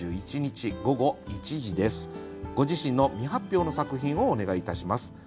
ご自身の未発表の作品をお願いいたします。